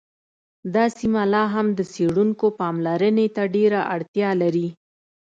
دا سیمه لا هم د څیړونکو پاملرنې ته ډېره اړتیا لري